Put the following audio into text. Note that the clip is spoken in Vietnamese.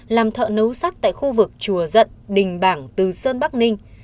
làm thợ nấu sắt tại khu vực chùa dận đình bảng từ sơn bắc ninh